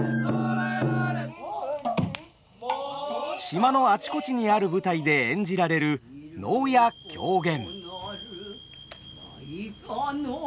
島のあちこちにある舞台で演じられる能や狂言。